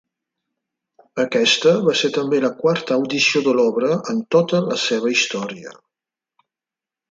Aquesta va ser també la quarta audició de l'obra en tota la seva història.